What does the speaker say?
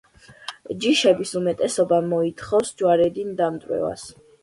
ჯიშების უმეტესობა მოითხოვს ჯვარედინ დამტვერვას.